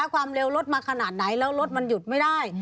ความเร็วรถมาขนาดไหนแล้วรถมันหยุดไม่ได้